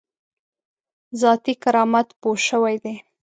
ذاتي کرامت پوه شوی دی.